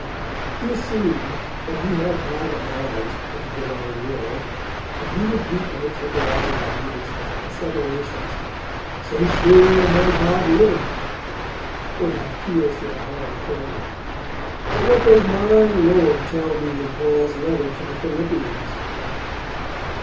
He assumed that he had private knowledge of the Divine Will, and he would meet my temporizing arguments by asseverations, 'So sure as my God liveth!' or by appeals to a higher authority, 'But what does my Lord tell me in Paul's Letter to the Philippians?'